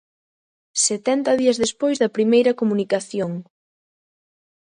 Setenta días despois da primeira comunicación.